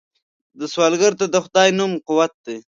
سوالګر ته د خدای نوم قوت دی